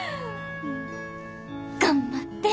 頑張って！